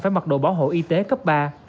phải mặc độ bảo hộ y tế cấp ba